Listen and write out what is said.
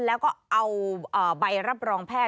แล้วก็เอาใบรับรองแพทย